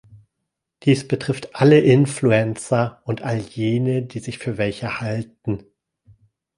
Dies betrifft alle Influencer und all jene, die sich für welche halten.